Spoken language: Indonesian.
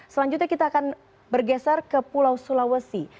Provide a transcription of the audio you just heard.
selanjutnya kita akan bergeser ke pulau sulawesi